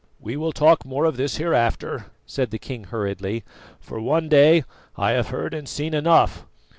"We will talk of this more hereafter," said the king hurriedly, "for one day, I have heard and seen enough.